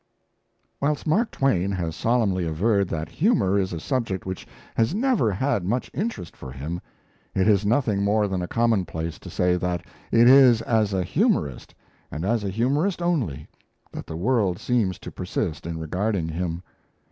Whilst Mark Twain has solemnly averred that humour is a subject which has never had much interest for him, it is nothing more than a commonplace to say that it is as a humorist, and as a humorist only, that the world seems to persist in regarding him.